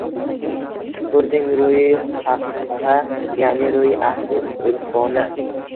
Tupurding roʻyi haqgʻa, yaʻni roʻyi-ahli urfona